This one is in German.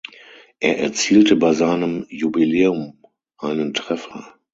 Er erzielte bei seinem Jubiläum einen Treffer.